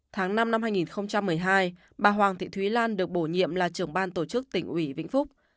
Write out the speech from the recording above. tháng năm năm hai nghìn một mươi hai bà hoàng thị thúy lan được bổ nhiệm là trưởng ban tổ chức tỉnh ủy vĩnh phúc